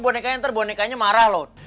bonekanya ntar bonekanya marah loh